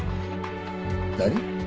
何！？